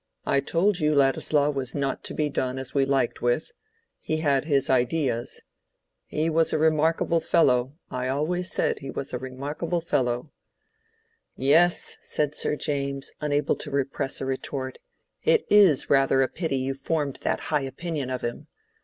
I told you Ladislaw was not to be done as we liked with: he had his ideas. He was a remarkable fellow—I always said he was a remarkable fellow." "Yes," said Sir James, unable to repress a retort, "it is rather a pity you formed that high opinion of him.